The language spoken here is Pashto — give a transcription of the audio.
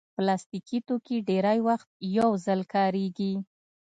پلاستيکي توکي ډېری وخت یو ځل کارېږي.